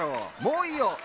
もういいよっ！